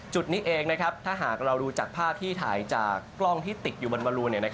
จุดนี้เองถ้าหากเราดูจากภาพที่ถ่ายจากกล้องที่ติดอยู่บนบรูน